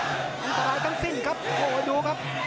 อันตรายทั้งสิ้นครับโอ้โหดูครับ